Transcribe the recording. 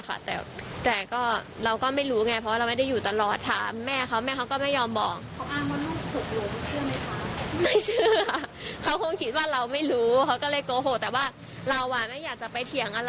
เพราะว่าเรารู้นิสัยเขาอยู่แล้วว่าน้องเรามันเป็นคนที่แบบยิ่งถามยิ่งไม่ตอบอะไรอย่างเงี้ย